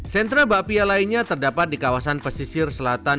sentra bakpia lainnya terdapat di kawasan pesisir selatan